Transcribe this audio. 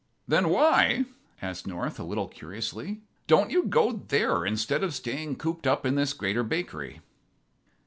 "Then why," asked North, a little curiously, "don't you go there instead of staying cooped up in this Greater Bakery?"